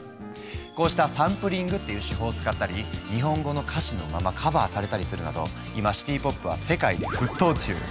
こうしたサンプリングっていう手法を使ったり日本語の歌詞のままカバーされたりするなど今シティ・ポップは世界で沸騰中。